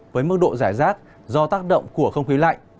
với mức độ giải rác do tác động của không khí lạnh